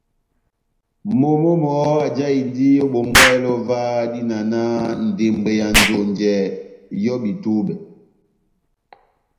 Momó mɔhɔ́ ajáhindi ó Bongáhɛlɛ óvah, dína náh ndembwɛ ya njonjɛ, ŋ’hɔ́bi túbɛ́.